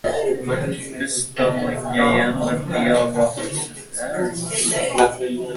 — Biz tomon- gayam bir qiyo boqsinlar!